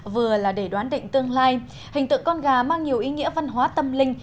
vừa là để đoán định tương lai hình tượng con gà mang nhiều ý nghĩa văn hóa tâm linh